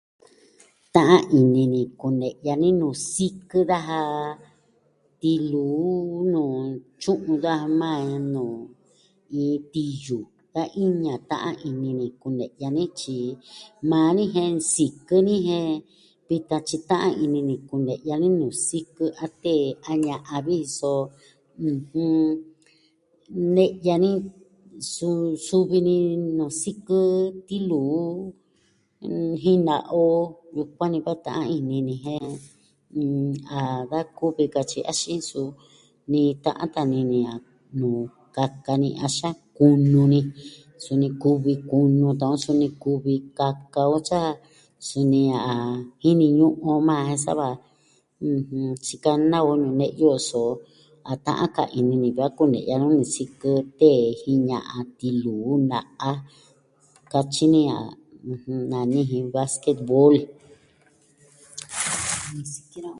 Ta'an ini ni kune'ya nuu sikɨ daja tiluu tyu'un daja majan ini nuu iin tiyu. Da iña ta'an ini ni kune'ya ni tyi maa ni jen nsikɨ ni jen, vitan tyi ta'an ini ni kune'ya ni nuu sikɨ a tee a ña'an vi so, ɨjɨn, ne'ya ni suu suvi ni nuu sikɨ tiluu jin naa on yukuan ni va ta'an ini ni jen, mm, a da koo vi katyi, axin nsuu ni ta'an tan nini a nuu kaka ni axin a kunu ni, suni kuvi kunu ta'an on, suni kuvi kaka o tyi a, suni a jini ñu'un on majan jen sa va tyi kana on ñu'un ne'yu o so, a ta'an ka ini ni vi a kune'ya nuu ni sikɨ tee jin ña'an tillu na'a, katyi ni a nani jin vasketvol.